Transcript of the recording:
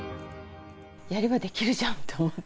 やればできるじゃんって思って。